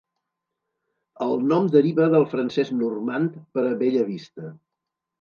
El nom deriva del francès normand per a "bella vista".